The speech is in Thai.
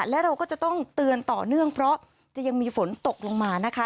และเราก็จะต้องเตือนต่อเนื่องเพราะจะยังมีฝนตกลงมานะคะ